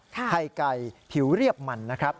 ไข่ไก่ผิวเรียบมันนะครับ